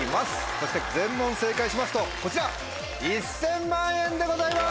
そして全問正解しますとこちら１０００万円でございます！